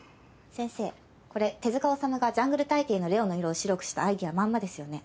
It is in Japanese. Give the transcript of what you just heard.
先生これ手塚治虫が『ジャングル大帝』のレオの色を白くしたアイデアまんまですよね。